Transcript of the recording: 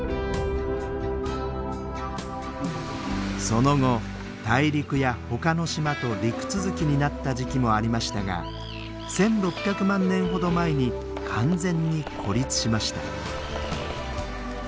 その後大陸やほかの島と陸続きになった時期もありましたが１，６００万年ほど前に完全に孤立しました。